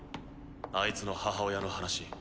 あいつの母親の話。